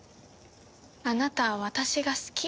あなたは私が好き。